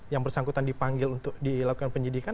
yang bersangkutan dipanggil untuk dilakukan penyidikan